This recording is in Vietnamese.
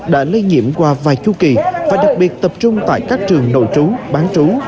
đã lây nhiễm qua vài chu kỳ và đặc biệt tập trung tại các trường nội trú bán trú